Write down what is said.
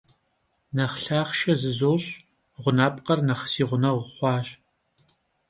Nexh lhaxhşşe zızoş' — ğunapkher nexh si ğuneğu xhuaş.